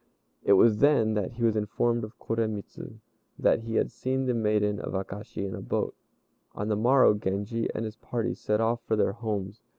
It was then that he was informed by Koremitz that he had seen the maiden of Akashi in a boat. On the morrow Genji and his party set off for their homes.